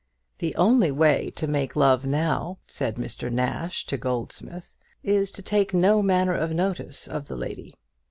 "The only way to make love now," said Mr. Nash to Goldsmith, "is to take no manner of notice of the lady."